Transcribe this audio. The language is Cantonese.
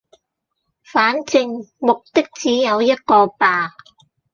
反正目的只有一個吧